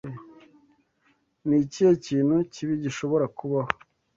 Ni ikihe kintu kibi gishobora kubaho?